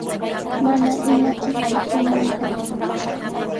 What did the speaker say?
Mana imapis pishimanqaku.